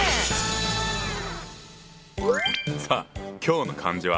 さあ今日の漢字は？